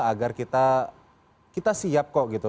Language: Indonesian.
agar kita siap kok gitu